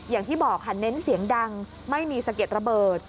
อย่างที่บอกค่ะเน้นเสียงดังไม่มีสะเก็ดระเบิด